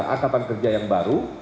akatan kerja yang baru